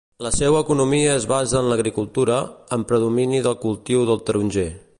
La seua economia es basa en l'agricultura, amb predomini del cultiu del taronger.